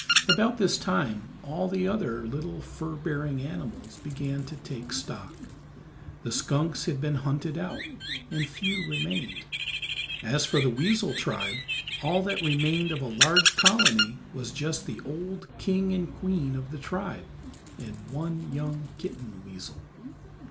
About this time all the other little fur bearing animals began to take stock; the skunks had been hunted out, and few remained; as for the weasel tribe, all that remained of a large colony was just the old king and queen of the tribe and one young kitten weasel.